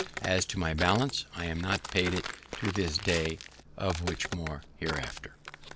As to my balance, I am not paid it to this day, of which more hereafter.